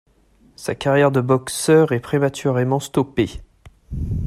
Sa carrière de boxeur est prématurément stoppée.